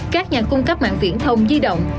các nhà cung cấp mạng viễn thông di động